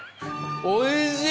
おいしい！